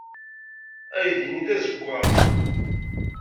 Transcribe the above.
Aydi-nni d azewwaɣ.